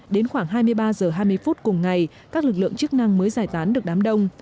đến khoảng hai mươi ba h hai mươi phút cùng ngày các lực lượng chức năng mới giải tán được đám đông